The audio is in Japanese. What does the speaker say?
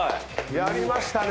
やりましたね！